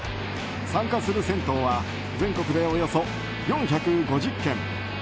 参加する銭湯は全国でおよそ４５０軒。